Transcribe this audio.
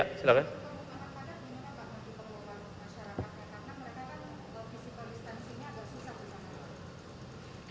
karena mereka kan logistikal distansinya agak susah bersama sama